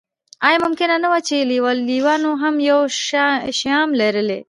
ایا ممکنه نه وه چې لېلیانو هم یو شیام لرلی.